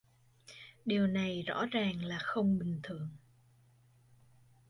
Điều này rõ ràng là không bình thường